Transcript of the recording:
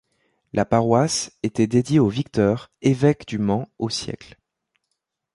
La paroisse était dédiée à Victeur, évêque du Mans au siècle.